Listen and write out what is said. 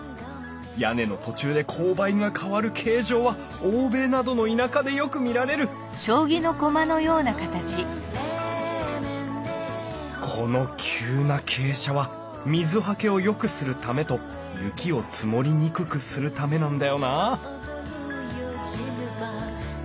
屋根の途中で勾配が変わる形状は欧米などの田舎でよく見られるこの急な傾斜は水はけをよくするためと雪を積もりにくくするためなんだよなあ